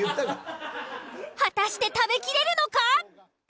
果たして食べきれるのか？